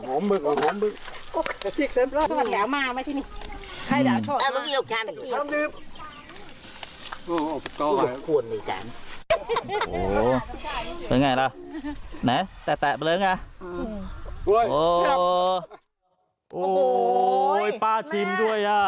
โอ้ยป้าชิมด้วย